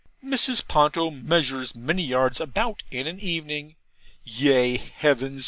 Mrs. Ponto measures many yards about in an evening. Ye heavens!